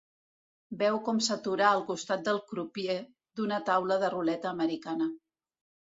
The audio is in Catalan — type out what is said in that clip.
Veu com s'atura al costat del crupier d'una taula de ruleta americana.